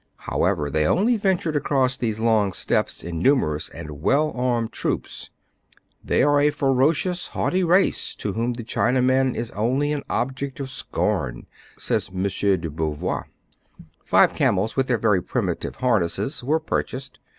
However, they only ventured across these long steppes in numerous and well armed troops. 248 TRIBULATIONS OF A CHINAMAN. " They are a ferocious, haughty race, to whom the Chinaman is only an object of scorn," says M. de Beauvoir. Five camels, with their very primitive harness, were purchased.